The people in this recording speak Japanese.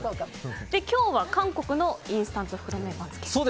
今日は韓国のインスタント袋麺番付。